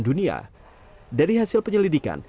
dari hasil penyelidikan